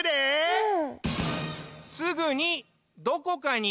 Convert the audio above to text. うん。